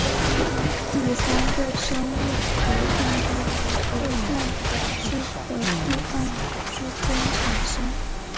第三个升入德甲的名额在两区的第二名之间产生。